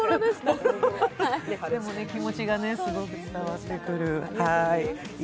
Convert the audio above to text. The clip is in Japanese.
気持ちがすごく伝わってくる。